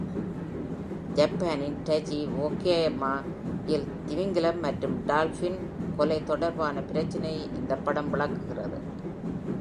ஜப்பானின் Taiji, Wakayama யில் திமிங்கலம் மற்றும் டால்பின் கொலை தொடர்பான பிரச்சினையை இந்த படம் விளக்குகிறது.